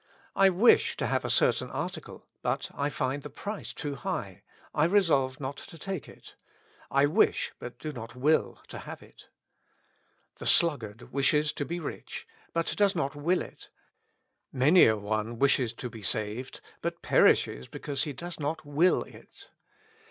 I wish to have a certain article, but I find the price too high ; I resolve not to take it ; I wish, but do not will to have it. The sluggard wishes to be rich, but does not v, ill it. Many a one wishes to be saved, but perishes because he does not will it.